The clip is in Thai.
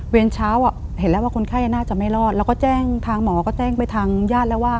เช้าเห็นแล้วว่าคนไข้น่าจะไม่รอดแล้วก็แจ้งทางหมอก็แจ้งไปทางญาติแล้วว่า